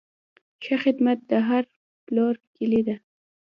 ښه خدمت د هر پلور کلي ده.